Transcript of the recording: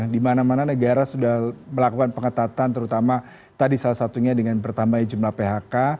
di mana mana negara sudah melakukan pengetatan terutama tadi salah satunya dengan bertambahnya jumlah phk